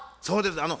そうです。